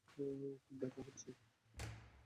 খুব ব্যথা হচ্ছে।